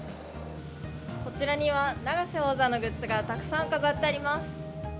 こちらには、永瀬王座のグッズがたくさん飾ってあります。